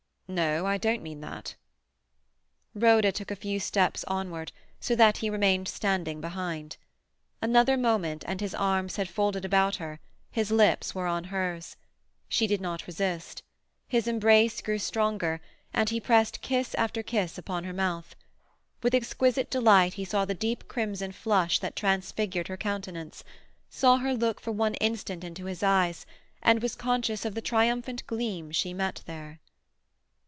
"No. I don't mean that." Rhoda took a few steps onward, so that he remained standing behind. Another moment and his arms had folded about her, his lips were on hers. She did not resist. His embrace grew stronger, and he pressed kiss after kiss upon her mouth. With exquisite delight he saw the deep crimson flush that transfigured her countenance; saw her look for one instant into his eyes, and was conscious of the triumphant gleam she met there.